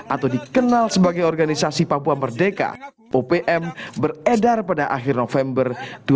atau dikenal sebagai organisasi papua merdeka opm beredar pada akhir november dua ribu dua puluh